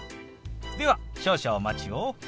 では少々お待ちを。